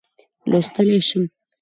لوستلای شم.